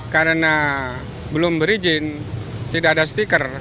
karena belum berizin tidak ada stiker